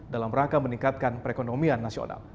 dalam rangka meningkatkan perekonomian nasional